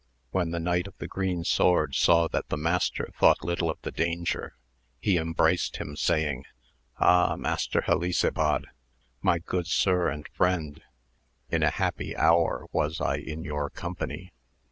When the Knight of the Green Sword saw that the master thought little of the danger, he embraced him saying. Ah Master Helisabad, my good sir and friend, in a happy hour was I in your company.